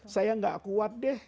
saya gak kuat deh